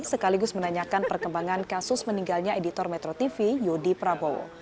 sekaligus menanyakan perkembangan kasus meninggalnya editor metro tv yudi prabowo